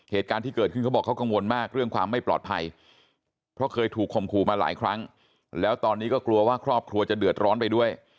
เหตุการณ์ที่เกิดขึ้นเขาบอกเขากังวลมากเรื่องความไม่ปลอดภัยเพราะเคยถูกข่มขู่มาหลายครั้งแล้วตอนนี้ก็กลัวว่าครอบครัวจะเดือดร้อนไปด้วย